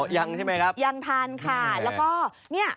ยังใช่ไหมครับยังทันค่ะแล้วก็เนี่ย